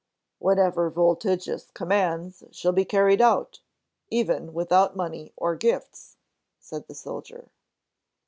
"Whatsoever Voltigius commands shall be carried out, even without money or gifts," said the soldier.